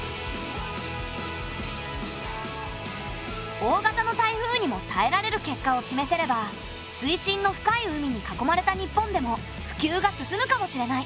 大型の台風にもたえられる結果を示せれば水深の深い海に囲まれた日本でもふきゅうが進むかもしれない。